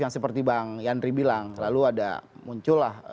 yang seperti bang yandri bilang lalu ada muncul lah